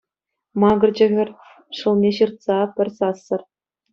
Макӑрчӗ хӗр, шӑлне ҫыртса, пӗр сассӑр.